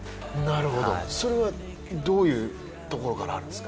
それはどういうところからあるんですか？